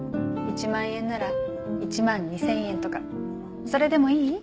１万円なら１万２０００円とかそれでもいい？